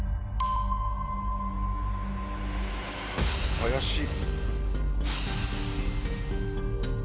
怪しい。